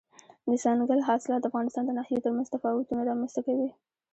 دځنګل حاصلات د افغانستان د ناحیو ترمنځ تفاوتونه رامنځ ته کوي.